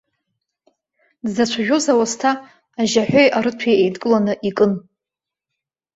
Дзацәажәоз ауасҭа ажьаҳәеи арыҭәеи еидкыланы икын.